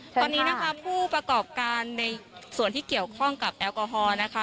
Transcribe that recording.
ตอนนี้นะคะผู้ประกอบการในส่วนที่เกี่ยวข้องกับแอลกอฮอล์นะคะ